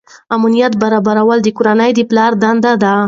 امنیت برابروي د کورنۍ د پلار دنده ده.